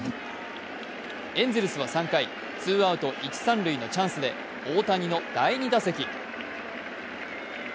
エンゼルスは３回、ツーアウト一・三塁のチャンスで大谷の第２打席。